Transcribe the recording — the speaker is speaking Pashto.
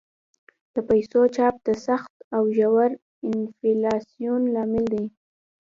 د پیسو چاپ د سخت او ژور انفلاسیون لامل شو.